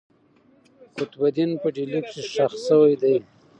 قطب الدین په ډهلي کښي ښخ سوی دئ.